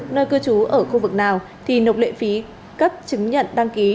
nơi cư trú ở khu vực nào thì nộp lệ phí cấp chứng nhận đăng ký